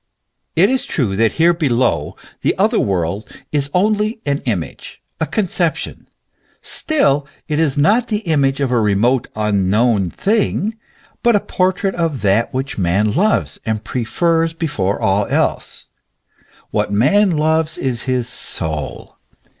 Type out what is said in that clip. It is true that here below, the other world is only an image, a conception ; still it is not the image of a remote, unknown thing, but a portrait of that which man loves and prefers before all else. What man loves is his soul.